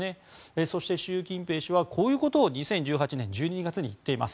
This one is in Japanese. そして、習近平氏はこういうことを２０１８年１２月に言っています。